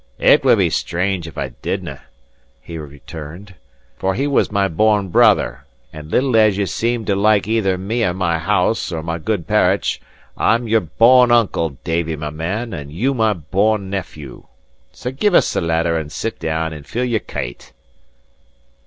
"It would be strange if I didnae," he returned, "for he was my born brother; and little as ye seem to like either me or my house, or my good parritch, I'm your born uncle, Davie, my man, and you my born nephew. So give us the letter, and sit down and fill your kyte."